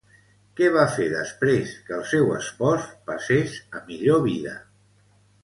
Què va fer després que el seu espòs passés a millor vida?